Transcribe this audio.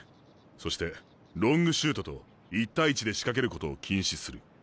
そしてロングシュートと１対１で仕掛けることを禁止する。